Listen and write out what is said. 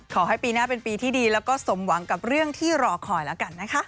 ขอให้ปีหน้าเป็นปีที่ดีแล้วก็สมหวังกับเรื่องที่รอคอยแล้วกันนะคะ